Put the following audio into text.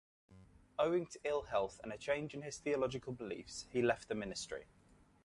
Owing to ill-health and a change in his theological beliefs, he left the ministry.